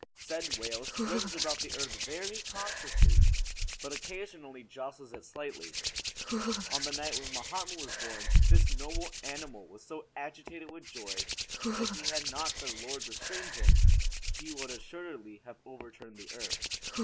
Said whale swims about the earth very cautiously, but occasionally jostles it slightly. On the night when Mohammed was born this noble animal was so agitated with joy, that had not the Lord restrained him, he would assuredly have overturned the earth.